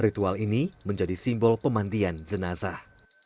ritual ini menjadi simbol pemandian jenazah